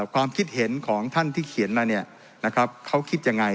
ความคิดเห็นของท่านที่เขียนมาเนี่ยนะครับเขาคิดยังไง